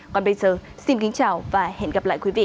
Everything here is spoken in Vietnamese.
còn bây giờ xin kính chào và hẹn gặp lại quý vị